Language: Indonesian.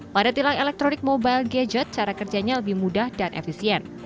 pada tilang elektronik mobile gadget cara kerjanya lebih mudah dan efisien